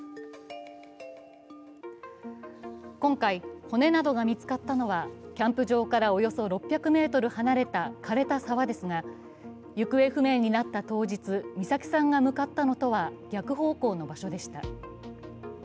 今回、骨などが見つかったのはキャンプ場からおよそ６００ｍ離れた枯れた沢ですが、行方不明になった当日、美咲さんが向かったのとは逆方向の場所でした。